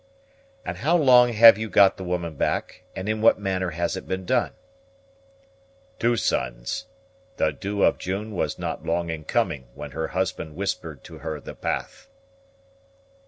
"And how long have you got the woman back, and in what manner has it been done?" "Two suns. The Dew of June was not long in coming when her husband whispered to her the path."